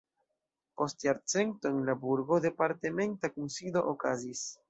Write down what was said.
Post jarcento en la burgo departementa kunsido okazis.